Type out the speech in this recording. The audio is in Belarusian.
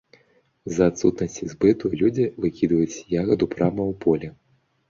З-за адсутнасці збыту людзі выкідваюць ягаду прама ў поле.